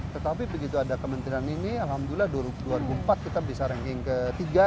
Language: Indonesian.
tetapi begitu ada kementerian ini alhamdulillah dua ribu empat kita bisa ranking ketiga